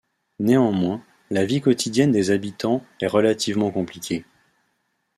Néanmoins, la vie quotidienne des habitants est relativement compliquée.